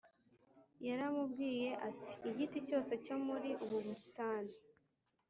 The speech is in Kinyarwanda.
yaramubwiye ati igiti cyose cyo muri ubu busitani.